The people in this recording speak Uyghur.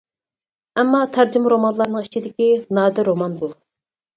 ئەمما تەرجىمە رومانلارنىڭ ئىچىدىكى نادىر رومان بۇ.